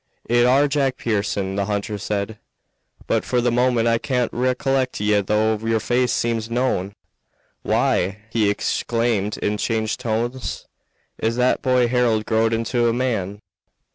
"It are Jack Pearson," the hunter said, "but for the moment I can't recollect ye, though yer face seems known. Why!" he exclaimed in changed tones, "it's that boy Harold growed into a man."